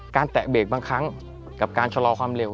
แตะเบรกบางครั้งกับการชะลอความเร็ว